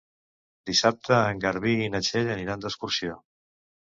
Dissabte en Garbí i na Txell aniran d'excursió.